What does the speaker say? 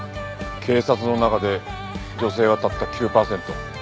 警察の中で女性はたった９パーセント。